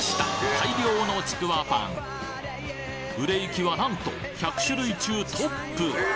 大量のちくわぱん売れ行きはなんと１００種類中トップ！